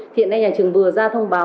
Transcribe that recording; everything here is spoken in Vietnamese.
thì hiện nay nhà trường vừa ra thông báo